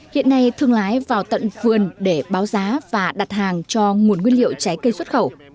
hiện nay thương lái vào tận vườn để báo giá và đặt hàng cho nguồn nguyên liệu trái cây xuất khẩu